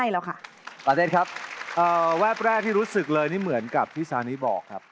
แรกที่รู้สึกแล้วนี่เหมือนกับพี่สันนี้บอกครับ